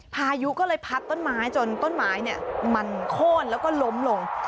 พายุก็เลยพัดต้นไม้จนต้นไม้มันโค้นแล้วก็ล้มลง